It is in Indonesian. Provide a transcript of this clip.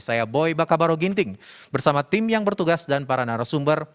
saya boy bakabaro ginting bersama tim yang bertugas dan para narasumber